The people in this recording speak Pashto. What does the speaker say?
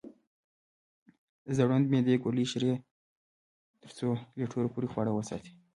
زړوند معدې کولی شي تر څلورو لیټرو پورې خواړه وساتي.